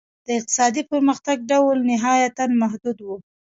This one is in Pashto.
د اقتصادي پرمختګ ډول نهایتاً محدود و.